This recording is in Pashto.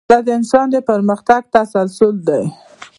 دا د انسان د پرمختګ تسلسل دی.